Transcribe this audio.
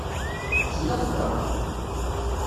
S leqdeṛ!